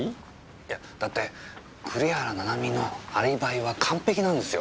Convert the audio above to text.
いやだって栗原ななみのアリバイは完璧なんですよ。